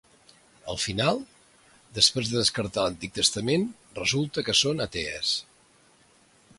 Al final, després de descartar l'Antic Testament, resulta que són atees.